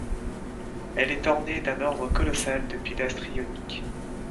Elle est ornée d'un ordre colossal de pilastres ioniques.